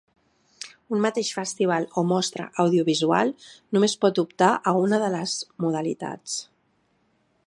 Un mateix festival o mostra audiovisual només pot optar a una de les modalitats.